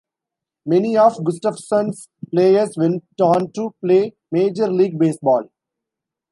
Many of Gustafson's players went on to play Major League Baseball.